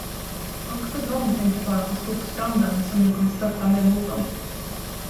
Också de tänkte bara på skogsbranden, som nu kom störtande mot dem.